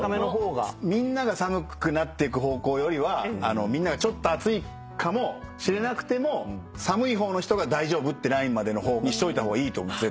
みんなが寒くなってく方向よりはみんながちょっと暑いかもしれなくても寒い方の人が大丈夫ってラインまでの方にしといた方がいいと思う絶対。